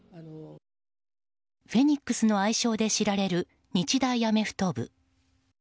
フェニックスの愛称で知られる日大アメフト部。